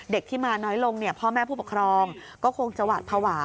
เด็กที่มาน้อยลงพ่อแม่ผู้ปกครองก็คงจะหวาดภาวะ